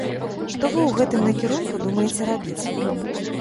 Што вы ў гэтым накірунку думаеце рабіць?